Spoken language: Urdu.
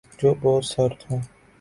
جو بہت سرد ہوں